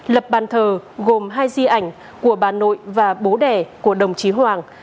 lập bàn thờ gồm hai di ảnh của bà nội và bố đẻ của đồng chí hoàng